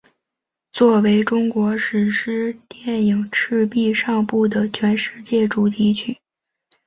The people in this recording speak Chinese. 作为中国史诗电影赤壁上部的全世界主题曲。